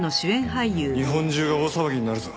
日本中が大騒ぎになるぞ。